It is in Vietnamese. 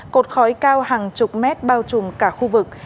cột khói cao hàng chục mét bao trùm cả khu vực